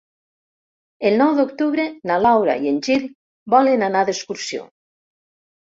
El nou d'octubre na Laura i en Gil volen anar d'excursió.